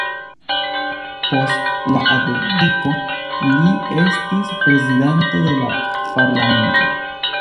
Post la abdiko li estis prezidanto de la parlamento.